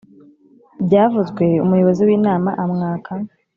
Byavuzwe umuyobozi w inama amwaka